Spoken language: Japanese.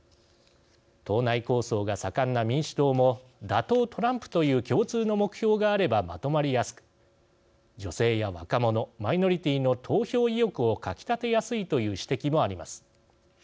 党内抗争が盛んな民主党も「打倒トランプ」という共通の目標があればまとまりやすく女性や若者マイノリティーの投票意欲をかきたてやすいという指摘もあります。